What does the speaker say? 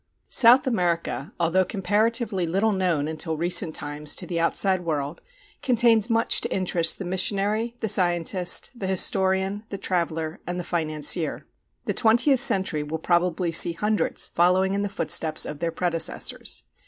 South America, although comparatively little known until recent times to the outside world, contains much to interest the missionary, the scientist, the historian, the traveler, and the financier. The twentieth century will probably see hundreds following in the footsteps of their predecessors.